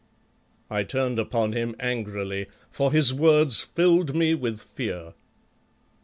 I turned upon him angrily, for his words filled me with fear.